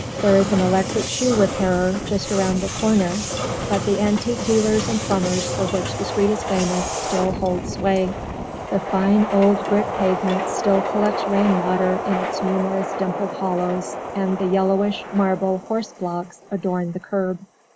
There is an "electric shoe repairer" just round the corner. But the antique dealers and plumbers for which the street is famous still hold sway; the fine old brick pavement still collects rain water in its numerous dimpled hollows, and the yellowish marble horse blocks adorn the curb.